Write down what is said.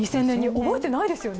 覚えていないですよね。